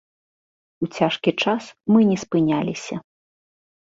У цяжкі час мы не спыняліся.